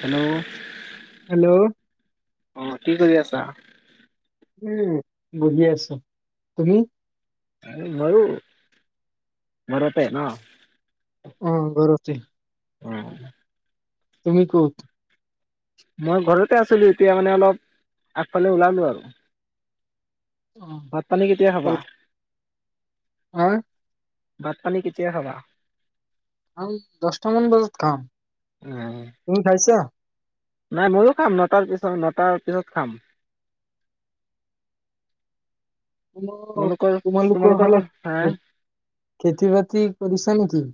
Hello hello অ, কি কৰি আছা? উম, বহি আছো, তুমি? মইও, ঘৰতে ন। অ, ঘৰতে। উম। তুমি ক'ত? মই ঘৰতে আছিলো, এতিয়া মানে অলপ আগফালে ওলালো আৰু। অ, ভাত পানী কেতিয়া খাবা? অই ভাত পানী কেতিয়া খাবা? [unintelligible] দছটামান বজাত খাওঁ, উম তুমি খাইছা? নাই ময়ো খাম, নটাৰ পিছত নটাৰ পিছত খাম। [unintelligible] তোমালোকৰ তোমালোকৰ ফালে হা [unintelligible] খেতি বাতি কৰিছা নেকি?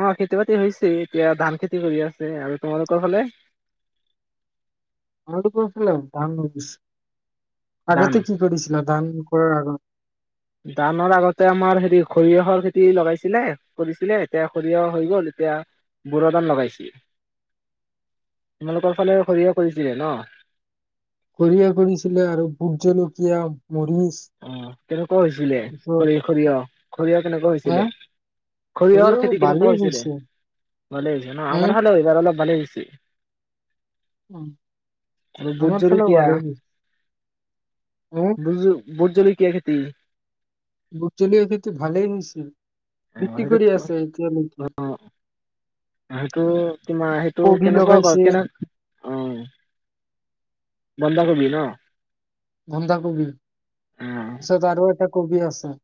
অ খেতি বাতি হৈছে এতিয়া ধান খেতি কৰি আছে আৰু তোমালোকৰ ফালে। [unintelligible] ধান আগতে কি কৰিছিলা ধান কৰাৰ আগত ধানৰ আগতে আমাৰ হেৰি সৰিয়হৰ খেতি লগাইছিলে, কৰিছিলে এতিয়া সৰিয়হ হৈ গ'ল এতিয়া [unintelligible] ধান লগাইছিল। তোমালোকৰ ফালে সৰিয়হ কৰিছিলে ন'? সৰিয়হ কৰিছিলে আৰু ভোটজলকীয়া অ কেনেকুৱা হৈছিলে পিছত খৰি সৰিয়হ সৰিয়হ কেনেকুৱা হা হৈছিলে সৰিয়হৰ সৰিয়হ খেতি ভালেই কেনেকুৱা হৈছিলে হৈছে ভালে হৈছিলে ন হা আমাৰ হালবাৰ অলপ ভালে হৈছে। অ', আৰু বুট আমাৰ ফালেও ভালে [unintelligible] বুজোঁ ভোটজলকীয়া খেতি ভোটজলকীয়া খেতি ভালেই নিছে। অ সেইটো অ সেইটো তোমাৰ সেইটো কবি কেনেকুৱা ক লগাইছে। কেনেকা অ। বন্ধাকবি ন'? বন্ধাকবি, অ তাৰপিছত আৰু এটা কবি আছে।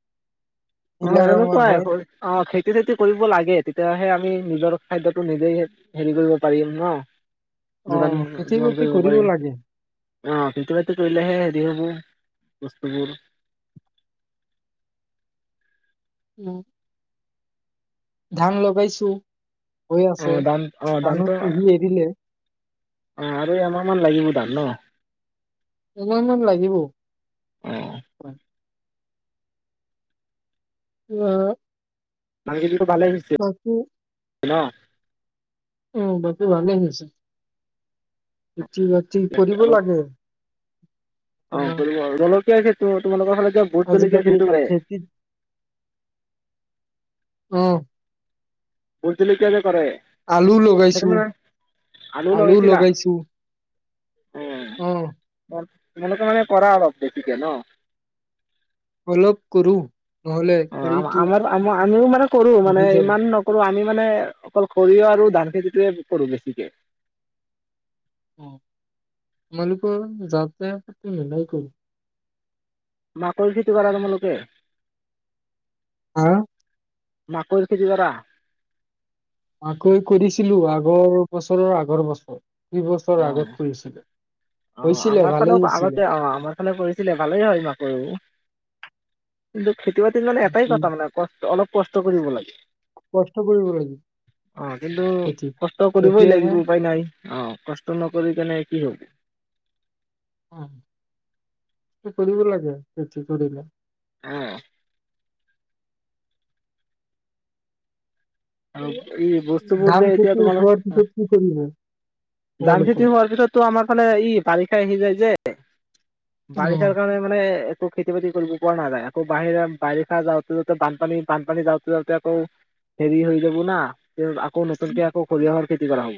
নীলা অ', ৰঙৰ এনেকুৱাই হয়। স অ', খেতি চেতি কৰিব লাগে। তেতিয়াহে আমি নিজৰ খাদ্যটো নিজেই হেৰি কৰিব পাৰিম ন'। যোগান অ', খেতি যোগান বাতি কৰিব পাৰিম। লাগে অ', [unintelligible] কৰিলেহে হেৰি হ'ব। কষ্টবোৰ [inaudible] [unintelligible] ধান লগাইছো। হৈ অ আছে দাম অ দামটো [unintelligible] পুহি এৰিলে অ' আৰু এমাহমান লাগিব তাত ন [inaudible] [unintelligible] মান লাগিব [inaudible] অ [unintelligible] [unintelligible] [unintelligible] [unintelligible] [inaudible] উম বাকী ভালেই হৈছে [unintelligible] [unintelligible] ঠিকে আছে কৰিব আৰু লাগে অ আপোনাৰ কৰিব [unintelligible] [unintelligible] তাগে তো তোালোকৰ ফালে ভোট জলিকীয়া আজিকালি খেলটোৰে খেতিত উম। ভোট জলকীয়া যে কৰে আলু সেইটো লগাইছো, মানে আলু লগাইছো। অ উম। তোমালোকে মানে কৰা অলপ বেছিকে ন। অলপ কৰোঁ। অ আম-আমাৰো-আম আমিও মানে কৰো মানে, বহি যাব। ইমান নকৰো আমি মানে অকল সৰিয়হ আৰু ধান খেতিটোয়ে কৰো বেছিকে। মালিকৰ যাতে মিলাই কৰো। মাকৈ খেতি কৰা তোমালোকে? হা, মাকৈ খেতি কৰা? আকৈ কৰিছিলো, আগৰ বছৰৰ আগৰ বছৰ। দুই অ বছৰ আগত কৰিচিলো। অ, আমাৰ ফালেও আগতে অ, আমাৰ ফালে কৰিছিলে ভালেই হয় ই মাকৈ। [unintelligible] খেতি বাতিত মানে এটাই মাকৈ কথা, মানে কষ্ট অলপ কষ্ট কৰিব লাগে। কষ্ট কৰিব লাগিব অ, কিন্তু খেতি কষ্ট কৰিবই তেতিয়াহে লাগিব। উপায় নাই অ কষ্ট নকৰি কেনে কি কৰিবি? উম, কৰিব লাগে। খেতি কৰিলে। অ'। আপ ই বস্তুবোৰ ধান যে এতিয়া খেতি উঠোৱাৰ তোমালোক, পিছত কি কৰিব ধান তোমালোকৰ খেতি হোৱাৰ পিছতটো আমাৰ ফালে ই বাৰিষ আহি যাই যে অ বাৰিষাৰ কাৰণে মানে আকৌ খেতি বাতি কৰিব পৰা নাযায়। আকৌ বাহিৰা বাৰিষা যাওঁতে যাওঁতে বানপানী, বানপানী যাওঁতে যাওঁতে আকৌ হেৰি হৈ যাব না। আকৌ নতুনকে আকৌ খৰিহৰ খেতি কৰাওঁ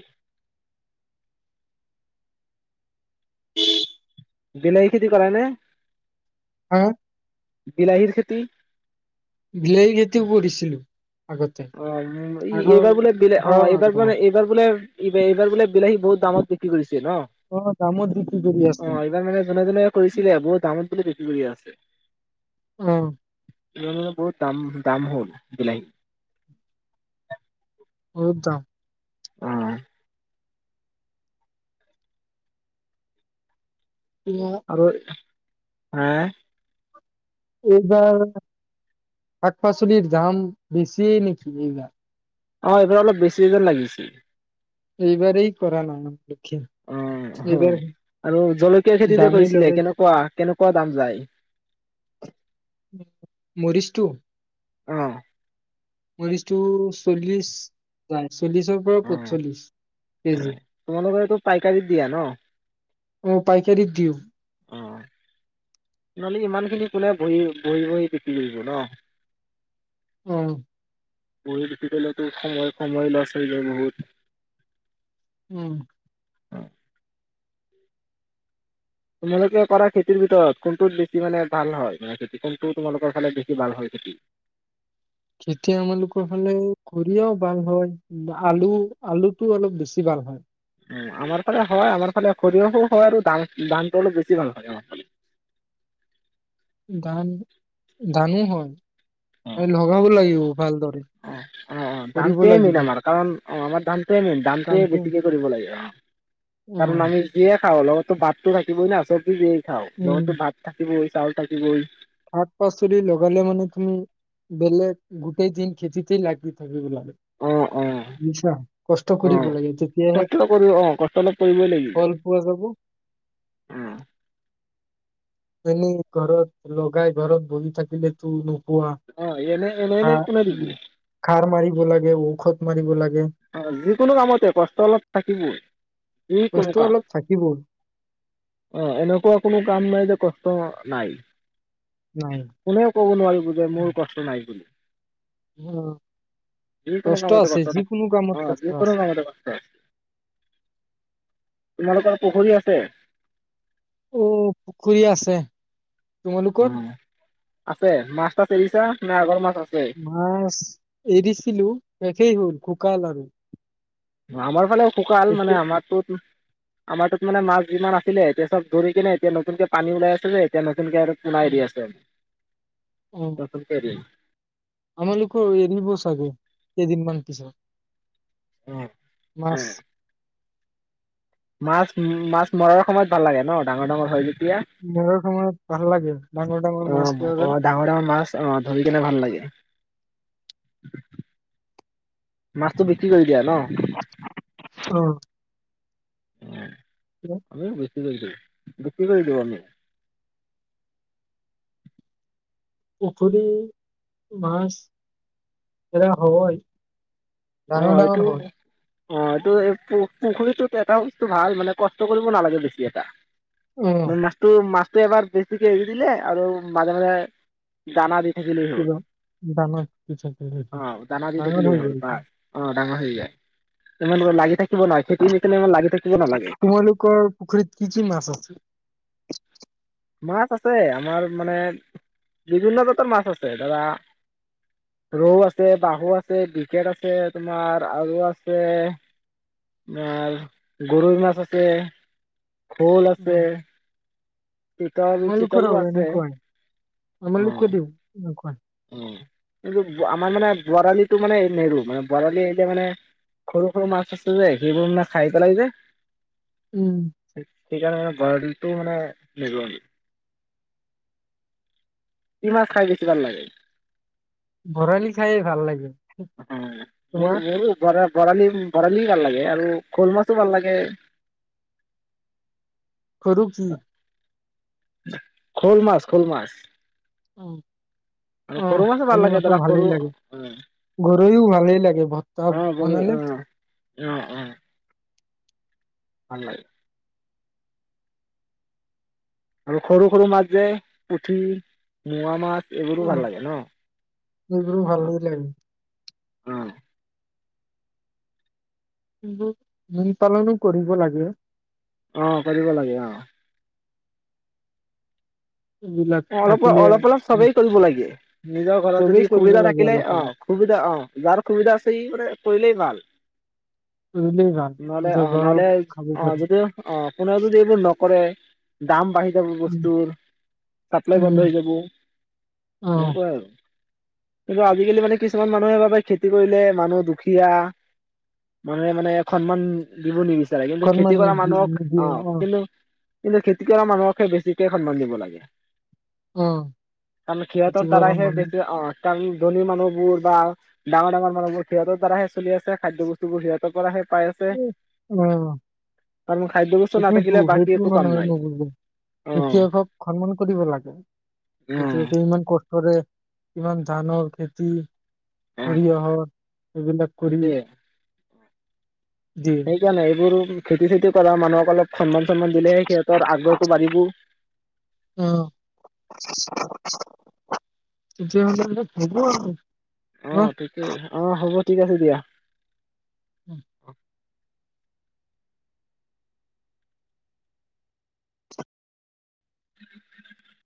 [inaudible] বিলাহী খেতি কৰা নে? হা, বিলাহীৰ খেতি বিলাহীৰ খেতিও কৰিছিলো। আগতে অ', উ আগৰ এইবাৰ বোলে বিলে, ঘৰৰ অ', এইবাৰ আগৰ মানে বছৰ। এইবাৰ বোলে ইবে এইবাৰ বোলে বিলাহী বহুত দামত বিক্ৰী কৰিছে ন। অ দামত বিক্ৰী কৰি আছে অ এইবাৰ মানে জোনে জোনে কৰিছিলে বহুত দামত [unintelligible] অহ বহুত দাম দাম হ'ল বিিলাহী [unintelligible] অ এতিয়া [unintelligible] হেহ এইবাৰ শাক পাচলিৰ দাম বেছিয়ে নেকি এইবাৰ অ এইবাৰ অলপ বেছিয়ে যেন লাগিছে এইবাৰেই কৰা নামাজটো অ অহ আৰু জলকীয়াৰ খেতি যে দামী কৰিছিলে লগাই কেনেকুৱা কেনেকুৱা দাম যায় মৰিচ টু অ মৰিচ তু চল্লিশ যায় চল্লিশৰ পৰা অ পচ্ছলিশ কেজি তোমালোকৰতো পাইকাৰীত দিয়া ন অ পাইকাৰিত দিওঁ অ নলী ইমানখিনি কোনে বহি বহি বহি [unintelligible] ন অহ [unintelligible] সময় সময় লছ হৈ যায় বহুত উম তোমালোকে কৰা খেতিৰ ভিতৰত কোনটোত বেছি মানে ভাল হয় মানে খেতি কোনটো তোমালোকৰ ফালে বেছি ভাল হয় খেতি কৰিয়াও ভাল হয় আলু আলুটো অলপ বেছি ভাল হয় উ আমাৰ ফালে হয় আমাৰ ফালে সৰিয়হো হয় আৰু দাম দামটো অলপ বেছি ভাল হয় আমাৰ ফালে ধান ধানো হয় এ লগাব লাগিব ভালদৰে অ অ অ কৰিব দানটোৱে মেইিন লাগিব আমাৰ কাৰণ অ আমাৰ ধানটোৱে মেই দানটোৱে কামটো বেছিকে কৰিব লাগে অ অ কাৰণ [unintelligible] অ লগততো বাততো থাকিবই না [unintelligible] খাও উম লততো ভাত থাকিবই চাউল থাকিবই শাক পাচলি লগালে মানে তুমি বেলেগ গোটেই দিন খেতিতেই লাগি থাকিব অ অ [unintelligible] মিছা কষ্ট অ কৰিব লাগে তেতিয়াহে কষ্ট কৰি অ কষ্ট অলপ কৰিবই লাগিব ফল পোৱা যাব অ। এনেই ঘৰত লগাই ঘৰত বহি থাকিলে অ এনে এনে এনে কোনে দিব [unintelligible] [unintelligible] [unintelligible] মাৰিব [unintelligible] অ যিকোনো কামতে কষ্ট অলপ থাকিবই যি কোনো কষ্ট কাম অলপ থাকিবই অ এনেকুৱা কোনো কাম নাই যে কষ্ট নাই নাই কোনেও কব নোৱাৰিব যে মোৰ কষ্ট নাই বুলি অ যিকোনো কষ্ট কামতে আছে যি থাকে অ যি কোনো কামতে কষ্ট আছে তোমালোকৰ পুখুৰী আছে? উম, পুখুৰী আছে। তোমালোকৰ উম, আছে মাছ তাছ এৰিছা? নাই, আগৰ মাছ আছে মাছ এৰিছিলো শেষেই হ'ল খুব [unintelligible] আমাৰ ফালে শুকাল মানে আমাৰটো, আমাৰটো মানে মাছ যিমান আছিলে এতিয়া চব ধৰিকেনে এতিয়া নতুনকে পানী ওলাই আছে যে, এতিয়া নতুন নতুনকে আৰু অ পোনা এৰি আছে। [unintelligible] আমালোকৰো এৰিব চাগে কেইদিনমান পিছত। উম মাছ উম মাছ, মাছ মৰাৰ সময়ত ভাল লাগে ন? ডাঙৰ, ডাঙৰ হয় [unintelligible] অ', মৰাৰ সময়ত ভাল লাগে ডাঙৰ ডাঙৰ মাছ পোৱা যায় অ', ডাঙৰ, ডাঙৰ মাছ অ', ধৰিকেনে ভাল লাগে। মাছটো বিক্ৰী কৰি দিয়া ন? অ'। [unintelligible] বিক্ৰী কৰি দিওঁ অ আমি পুখুৰি মাছ এৰা হয় অ ডাঙৰ ডাঙৰ এইটো হয় অ এইটো এই পুখুৰীটোত এটা বস্তু ভাল মানে কষ্ট কৰিব নালাগে বেছি এটা উম মই মাছটো মাছ, এবাৰ বেছিকে এৰি দিলে আৰু মাজে মাজে দানা দি, থাকিলেই হ'ল অ দানা দি থাকিলেই হ'ল বাছ অ [unintelligible] ডাঙৰ হৈ যায় তোমালোকৰ লাগি থাকি, [unintelligible] খেতি নিচিনা ইমান লাগি থাকিব নালাগে তোমালোকৰ পুখুৰীত কি কি মাছ আছে? মাছ আছে আমাৰ মানে বিভিন্ন জাতৰ মাছ আছে ধৰা ৰৌ আছে, বাহু আছে, বিকেট আছে তোমাৰ আৰু আছে তোমাৰ গৰৈ মাছ আছে। শ'ল আছে, চিতল আমালোকৰো চিতলো আছে এনেকুৱাই উম আমালোকৰো! উম কিন্তু আমাৰ মানে বৰালিত! টো মানে নেৰো মানে বৰালি এৰিলে মানে সৰু সৰু মাছ আছে যে সেইবোৰ মানে খাই পেলাই যে উম! সেইকাৰণে মানে বৰালিটো মানে নাৰো আৰু কি মাছ খাই বেছি ভাল লাগে? ভৰালি খাইয়ে ভাল লাগিল অ' ম মোৰো ঘৰত ভৰালি ভৰালি ভাল লাগে আৰু শ'ল মাছো ভাল লাগে সৰু কি, শ'ল মাছ শ'ল মাছ অ আৰু সৰু মাছো শ'ল ভাল লাগে ধৰা সৰু উ ৰৈও ভালেই লাগে ভৰ্তা বনালে, অ অ' ভাল লাগে আৰু সৰু সৰু মাছ যে পুঠি মোৱা মাছ। এইবোৰো অঅ ভাল লাগে ন? সেইবোৰো ভালেই লাগে। অহ! মীনপালনো কৰিব লাগে। আহ কৰিব লাগে অ' এইবিলাক অ অলপ থাকিলে অলপ অলপ উম, চবেই কৰিব লাগে নিজৰ ঘৰত যদি চবেই কৰিব সুবিধা লাগে থাকিলে অলপ অ অলপ সুবিধা অ' যাৰ সুবিধা আছে সি মানে কৰিলেই ভাল, কৰিলেই ভাল নহলে নিজৰ অ ঘৰৰ নহলে খাব অ পাৰি। যিটো অ' কোনেও যদি এইবোৰ নকৰে দাম বাঢ়ি। যাব বস্তুৰ চাপ্লাই বন্ধ হৈ যাব এনেকুৱা আৰু কিন্তু আজিকালি মানে কিছুমান মানুহে ভাবে খেতি কৰিলে মানুহ দুখীয়া মানুহে মানে সন্মান দিব নিবিচা কিন্তু খেতি কৰা মানুহক আহ কিন্তু কিন্তু খেতি কৰা মানুহকহে বেছিকে সন্মান দিব লাগে। তাৰ মানে সিহঁতৰ দ্বাৰাহে মানুহ বেছি অ' কাৰণ ধনী মানুহ বোৰ বা ডাঙৰ ডাঙৰ মানুহবোৰ সিহঁতৰ দ্বাৰাহে চলি আছে খাদ্য বস্তুবোৰ সিহঁতৰ পৰাহে পাই আছে আহ কাৰণ খাদ্য বস্তু সেইটোয়েতো নাথাকিলে বাকী সেইটো একো কাম মানুহে নাই নুবুজে অ অ খেতিয়কক সন্মান, দিব লাগে সেইটোতো ইমান ক কৰে কিমান ধানৰ খেতি অ সৰিয়হৰ এইবিলাক কৰি সেইটোয়ে দিয়ে। খেতি-চেতি কৰা মানুহক অলপ সন্মান-চন্মান দিলেহে সিহঁতৰ আগ্ৰহটো বাঢ়িবো। অ তেতিয়াহলে এ হ'ব আৰু অ', ঠিকয়েই অ' হ'ব। ঠিক আছে দিয়া। উম। [inaudible]